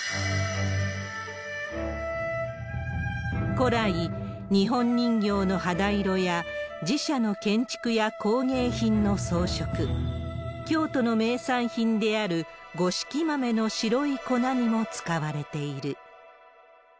古来、日本人形の肌色や、寺社の建築や工芸品の装飾、京都の名産品である五色豆の白い粉にも使われている。